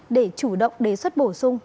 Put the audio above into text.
để chủ động đề xuất bổ sung